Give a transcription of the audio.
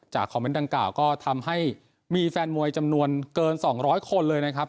คอมเมนต์ดังกล่าวก็ทำให้มีแฟนมวยจำนวนเกิน๒๐๐คนเลยนะครับ